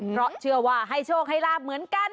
เพราะเชื่อว่าให้โชคให้ลาบเหมือนกัน